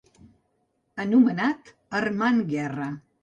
Anomenat Armand Guerra.